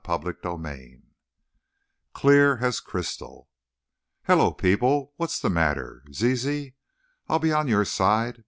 CHAPTER XVIII Clear as Crystal "Hello, people! What's the matter, Zizi? I'll be on your side!